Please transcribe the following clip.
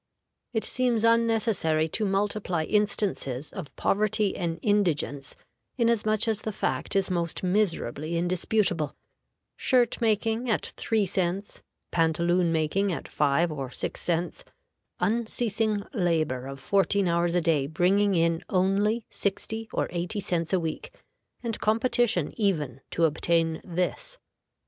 It seems unnecessary to multiply instances of poverty and indigence, inasmuch as the fact is most miserably indisputable: shirt making at three cents, pantaloon making at five or six cents unceasing labor of fourteen hours a day bringing in only sixty or eighty cents a week, and competition even to obtain this.